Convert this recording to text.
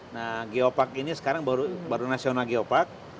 nah geopark ini sekarang baru nasional geopark